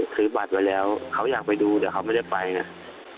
ถือบัตรไว้แล้วเขาอยากไปดูแต่เขาไม่ได้ไปไง